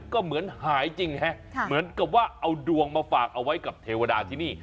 ก็เหมือนหายจริงฮะเหมือนกับว่าเอาดวงมาฝากเอาไว้กับเทวดาที่นี่